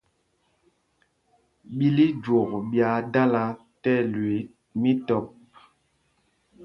Ɓǐl íjwok ɓyaa dala tí ɛlüii mītɔp.